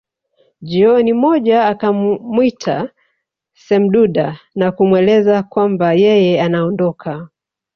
Jioni moja akamwita Semduda na kumweleza kwamba yeye anaondoka